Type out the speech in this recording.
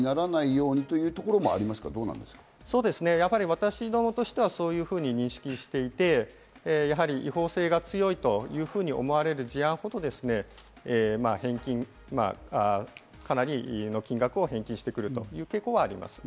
私どもとしてはそういうふうに認識していて、違法性が強いというふうに思われる事案ほど、かなりの金額を返金してくるという傾向はあります。